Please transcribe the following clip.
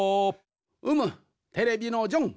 うむテレビのジョン。